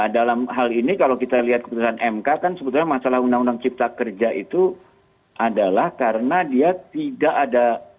dalam hal ini kalau kita lihat keputusan mk kan sebetulnya masalah undang undang cipta kerja itu adalah karena dia tidak ada